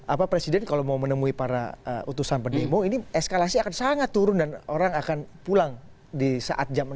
apa presiden kalau mau menemui para utusan pendemo ini eskalasi akan sangat turun dan orang akan pulang di saat jam enam